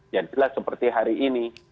jadilah seperti hari ini